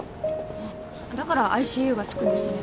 ああだから「ＩＣＵ」がつくんですね。